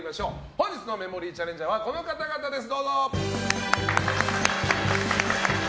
本日のメモリーチャレンジャーはこの方です！